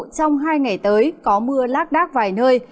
trong hai ngày tới có mưa lác đác vài nơi